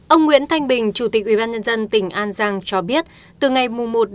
ông nguyễn thanh bình chủ tịch ubnd tỉnh an giang cho biết từ ngày một bốn một mươi